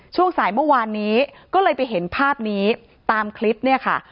ช่วงสายเมื่อวานนี้ก็เลยไปเห็นภาพนี้ตามคลิปเนี่ยค่ะ